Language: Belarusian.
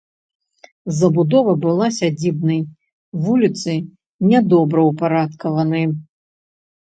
Забудова была сядзібнай, вуліцы нядобраўпарадкаваны.